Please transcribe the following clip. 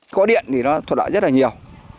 có điện thì nó thuật đạo rất là nhiều